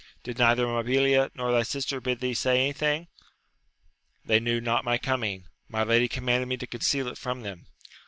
— Did neither Mabilia nor thy sister bid thee say anything ?— ^They knew not my coming : my lady commanded me to conceal it from them.